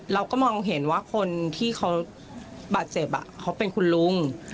เราก็มองเห็นว่าคนที่เขาบาดเจ็บเขาเป็นคุณลุง